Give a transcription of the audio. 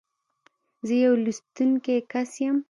زه يو لوستونکی کس یم.